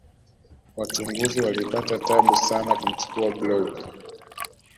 wachunguzi walipata tabu sana kumchukua blob